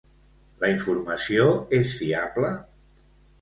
La informació és fiable?